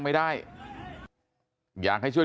สวัสดีครับคุณผู้ชาย